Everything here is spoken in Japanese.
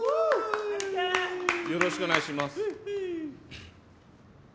よろしくお願いします。